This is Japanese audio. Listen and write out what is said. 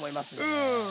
うん。